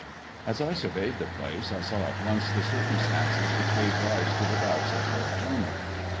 As I surveyed the place I saw at once the circumstances which gave rise to the doubts of Lord Tormouth.